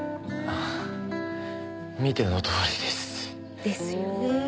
ああ見てのとおりです。ですよね。